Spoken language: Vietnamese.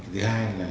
thứ hai là